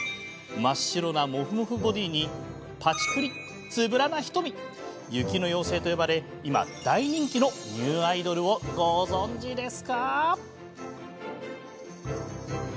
真っ白なモフモフボディーにパチクリつぶらな瞳雪の妖精と呼ばれ今、大人気のニューアイドルをご存じですか？